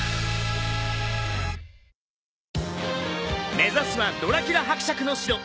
目指すはドラキュラ伯爵の城。